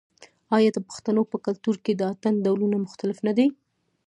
آیا د پښتنو په کلتور کې د اتن ډولونه مختلف نه دي؟